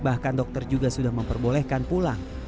bahkan dokter juga sudah memperbolehkan pulang